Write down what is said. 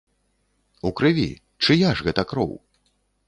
У крыві, чыя ж гэта кроў?